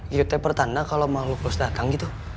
gitu teper tanda kalau makhluk harus datang gitu